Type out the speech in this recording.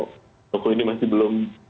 toko ini masih belum